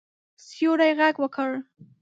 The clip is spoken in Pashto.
سیوري غږ وکړ.